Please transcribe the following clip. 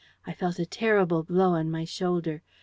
I felt a terrible blow on my shoulder.